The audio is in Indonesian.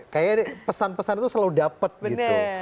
kayak pesan pesan itu selalu dapet gitu